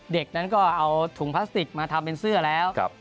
เด็กนั้นก็เอาถุงพลาสติกมาทำเป็นเสื้อแล้ว